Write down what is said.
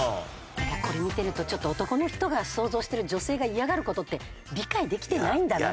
これ見てるとちょっと男の人が想像してる女性が嫌がる事って理解できてないんだなと。